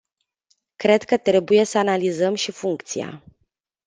Cred că trebuie să analizăm și funcția.